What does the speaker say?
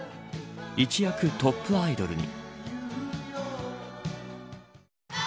一躍、トップアイドルに。